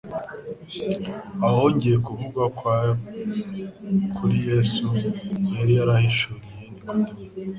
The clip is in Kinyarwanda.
Aha hongeye kuvugwa kwa kuri Yesu yari yarahishuriye Nikodemu